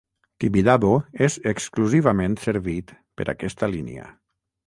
Tibidabo és exclusivament servit per aquesta línia.